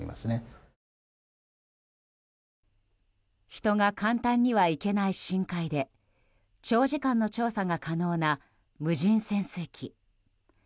人が簡単には行けない深海で長時間の調査が可能な無人潜水機。